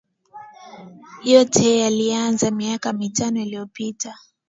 yote yalianza miaka mitano iliyopita